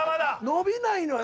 伸びないのよ。